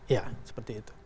ya seperti itu